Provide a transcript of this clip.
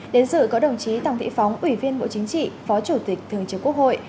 đến dự có đồng chí tòng thị phóng ủy viên bộ chính trị phó chủ tịch thường trưởng quốc hội